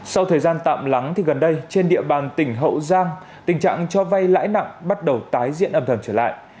sau thời gian tạm lắng thì gần đây trên địa bàn tỉnh hậu giang tình trạng cho vay lãi nặng bắt đầu tái diễn âm thầm trở lại